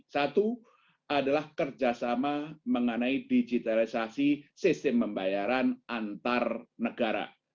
satu adalah kerjasama mengenai digitalisasi sistem pembayaran antar negara